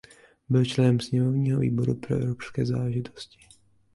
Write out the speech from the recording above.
Byl členem sněmovního výboru pro evropské záležitosti.